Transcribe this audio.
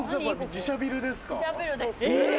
自社ビルです。